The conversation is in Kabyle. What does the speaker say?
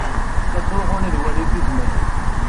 La ttruḥun ad walin tizmak.